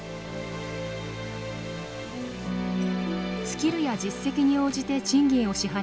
スキルや実績に応じて賃金を支払う成果